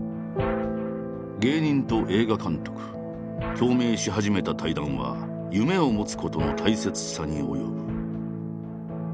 共鳴し始めた対談は夢を持つことの大切さに及ぶ。